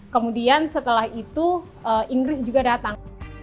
kemudian setelah itu inggris juga datang